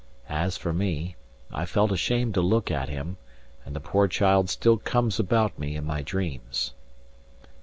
As for me, I felt ashamed to look at him, and the poor child still comes about me in my dreams.